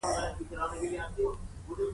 دوی باید ټول هېواد او وګړي وستايي